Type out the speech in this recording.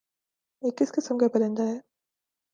یہ کس قِسم کا پرندہ ہے؟